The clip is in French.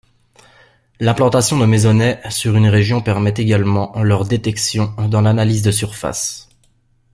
L'implantation de mésonets sur une région permet également leur détection dans l'analyse de surface.